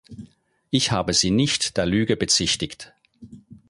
Ich habe Sie nicht der Lüge bezichtigt.